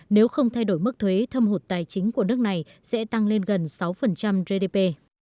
nếu không thay đổi mức thuế thâm hụt tài chính của nước này sẽ tăng lên gần sáu gdp